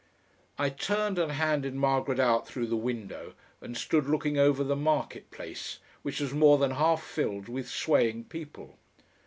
I turned and handed Margaret out through the window and stood looking over the Market place, which was more than half filled with swaying people.